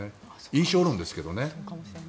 印象論ですけどね。